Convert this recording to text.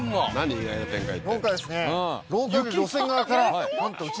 意外な展開って。